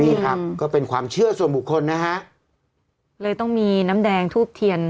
นี่ครับก็เป็นความเชื่อส่วนบุคคลนะฮะเลยต้องมีน้ำแดงทูบเทียน